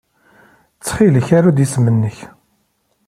Ttxil-k, aru-d isem-nnek.